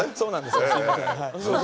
すいません。